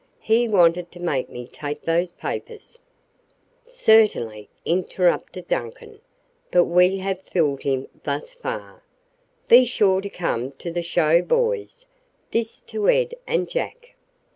"He wanted to make me take those papers " "Certainly," interrupted Duncan. "But we have fooled him thus far. Be sure to come to the show, boys," this to Ed and Jack.